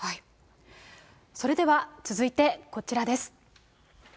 それでは続いてこちらです。